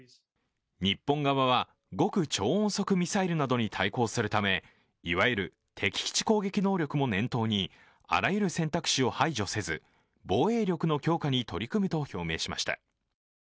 日本側は極超音速ミサイルなどに対抗するため、いわゆる敵基地攻撃能力も念頭にあらゆる選択肢を排除せず防衛力の強化に取り組むと表明しました。